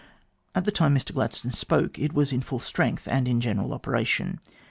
At the time Mr Gladstone spoke, it was in full strength and in general operation.